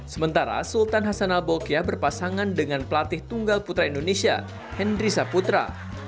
sementara sultan hasanah bokiyah berpasangan dengan pelatih tunggal putra indonesia hendrisa putra